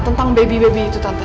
tentang bayi bayi itu tante